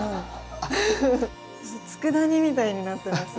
つくだ煮みたいになってます。